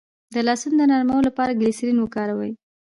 د لاسونو د نرموالي لپاره ګلسرین وکاروئ